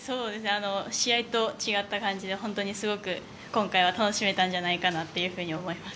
試合と違った感じですごく今回は楽しめたんじゃないかと思います。